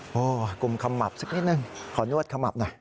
โอ้โหกลมคำหมับสักนิดหนึ่งขอนวดคำหมับหน่อย